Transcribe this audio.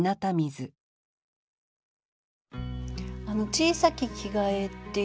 「小さき着替え」っていう。